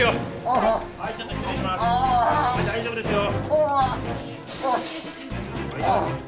大丈夫ですよ。